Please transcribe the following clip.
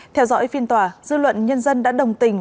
theo dõi phiên tòa dư luận nhân dân đã đồng tình